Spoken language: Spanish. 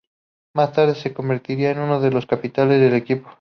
Más tarde se convertiría en uno de los capitanes del equipo.